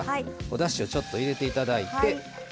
おだしをちょっと入れて頂いて。